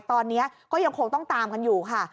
ตอนนี้ก็ยังคงต้องตามกันอยู่ค่ะ